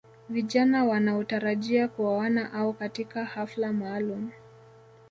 Vijana wanaotarajia kuoana au katika hafla maalum